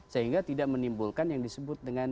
sehingga tidak menimbulkan yang disebut dengan